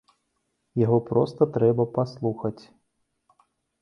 Яго проста трэба паслухаць.